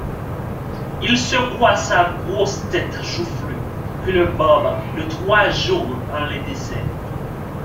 Il secoua sa grosse tête joufflue, qu'une barbe de trois jours enlaidissait.